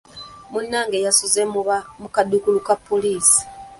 Munnange yasuze mu kaduukulu ka poliisi.